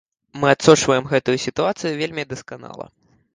Мы адсочваем гэтую сітуацыю вельмі дасканала.